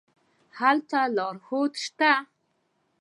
هلته لارښود شته.